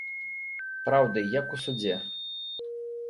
Праўды, як у судзе